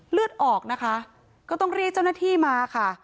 เลือดออกนะคะก็ต้องเรียกเจ้าหน้าที่มาค่ะ